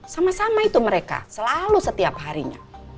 sama sama itu mereka selalu setiap harinya